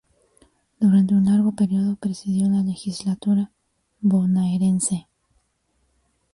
Durante un largo período presidió la legislatura bonaerense.